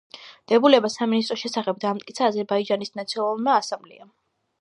დებულება სამინისტროს შესახებ დაამტკიცა აზერბაიჯანის ნაციონალურმა ასამბლეამ.